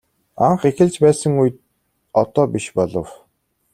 Анх эхэлж байсан үе одоо биш болов.